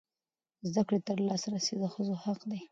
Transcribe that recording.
زده کړې ته لاسرسی د ښځو حق دی.